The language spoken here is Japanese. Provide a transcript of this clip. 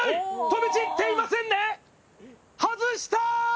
飛び散っていませんね、外した！